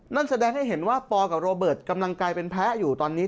นั่นแสดงให้เห็นว่าปอกับโรเบิร์ตกำลังกายเป็นแพ้อยู่ตอนนี้